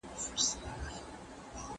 ¬ په يوه استنجا لمونځ نه کېږي.